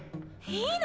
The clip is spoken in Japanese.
いいの？